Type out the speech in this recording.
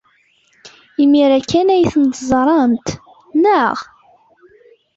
Imir-a kan ay tent-teẓramt, naɣ?